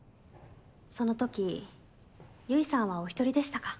その時結衣さんはおひとりでしたか？